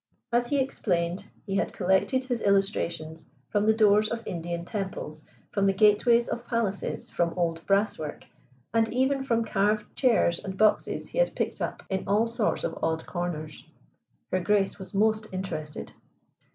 As he explained, he had collected his illustrations from the doors of Indian temples, from the gateways of palaces from old brass work, and even from carved chairs and boxes he had picked up in all sorts of odd corners. Her Grace was most interested.